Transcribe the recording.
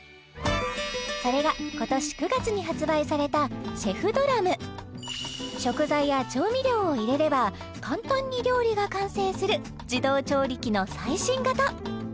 それが今年９月に発売されたＣＨＥＦＤＲＵＭ食材や調味料を入れれば簡単に料理が完成する自動調理器の最新型